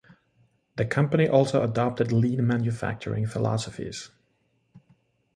The company also adopted lean manufacturing philosophies.